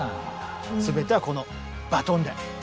全てはこのバトンで。